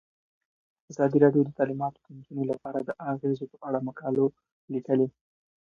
ازادي راډیو د تعلیمات د نجونو لپاره د اغیزو په اړه مقالو لیکلي.